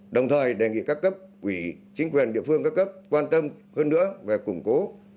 đồng thời đề nghị các cấp ủy chính quyền địa phương các cấp quan tâm hơn nữa về củng cố